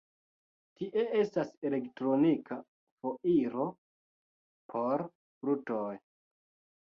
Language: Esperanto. Tie estas elektronika foiro por brutoj.